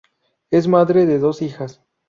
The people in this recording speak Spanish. Es madre de dos hijas.